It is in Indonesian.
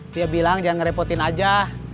dia bilang jangan ngerepotin aja